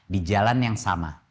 di jalan yang sama